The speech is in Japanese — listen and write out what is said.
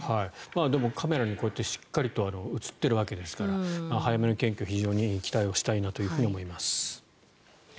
でも、カメラにしっかりと映っているわけですから早めの検挙に非常に期待をしたいなと思います。